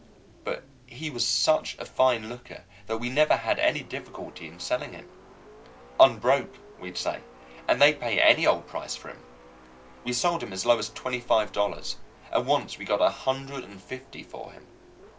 But he was such a fine looker that we never had any difficulty in selling him. "Unbroke," we'd say, and they'd pay any old price for him. We sold him as low as twenty five dollars, and once we got a hundred and fifty for him.